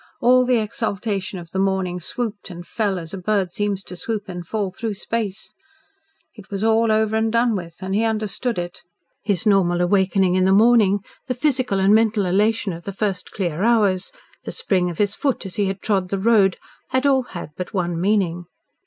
All the exaltation of the morning swooped and fell as a bird seems to swoop and fall through space. It was all over and done with, and he understood it. His normal awakening in the morning, the physical and mental elation of the first clear hours, the spring of his foot as he had trod the road, had all had but one meaning.